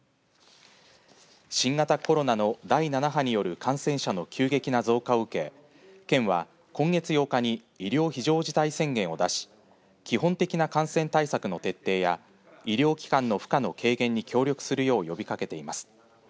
新型コロナの第７波による感染者の急激な増加を受け、県は今月８日に医療非常事態宣言を出し基本的な感染対策の徹底や医療機関の負荷の軽減に協力するよう呼びかけています。